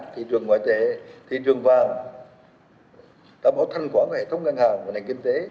thị trường ngoại tệ thị trường vàng tạo bỏ thanh quả của hệ thống ngân hàng và nền kinh tế